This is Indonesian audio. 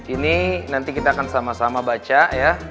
ini nanti kita akan sama sama baca ya